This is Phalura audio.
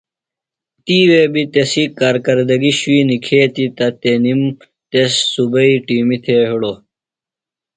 تِیوے بیۡ تسی کارکردگیۡ شُوئی نِکھتیۡ تہ تنِم تس صوبئی ٹِیمیۡ تھےۡ ہِڑو۔